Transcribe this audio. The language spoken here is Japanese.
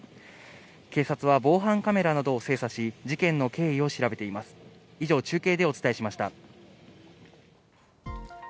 警察は防犯カメラなどを精査し、事件の経緯を調べています。